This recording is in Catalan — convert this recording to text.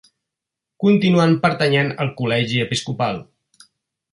Continuen pertanyent al Col·legi Episcopal.